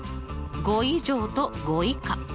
５以上と５以下。